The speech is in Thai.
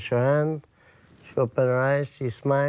ฉันก็แก่แก่แก่แก่มันเปิดตามันสม่าย